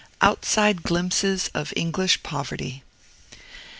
OUTSIDE GLIMPSES OF ENGLISH POVERTY.